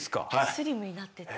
スリムになってってる。